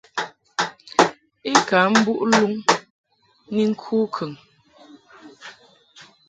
I ka mbuʼ luŋ ni ŋku kəŋ.